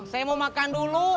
saya mau makan dulu